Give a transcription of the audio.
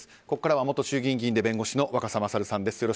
ここからは元衆議院議員で弁護士の若狭勝さんです。